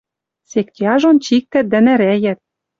Сек яжон чиктӓт дӓ нӓрӓят.